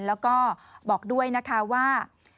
และบอกด้วยนะคะว่า